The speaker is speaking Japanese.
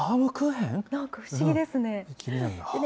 なんか不思議ですね。